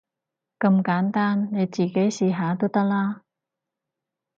咁簡單，你自己試下都得啦